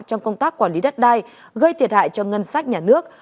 trong công tác quản lý đất đai gây thiệt hại cho ngân sách nhà nước